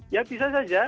ya bisa saja